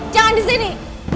jangan di sini